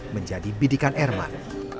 menjadi bidikan ermat